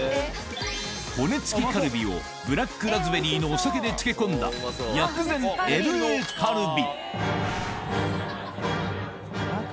骨付きカルビをブラックラズベリーのお酒で漬け込んだ薬膳ＬＡカルビ